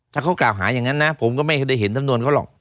ถ้าเขากล่าวหาอย่างนั้นนะผมก็ไม่ได้เห็นสำนวนเขาหรอก